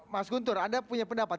mas guntur anda punya pendapat